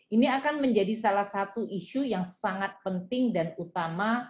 ini akan menjadi salah satu isu yang sangat penting dan utama